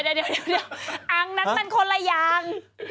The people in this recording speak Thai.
เดี๋ยวอันนั้นมันคนละอย่าง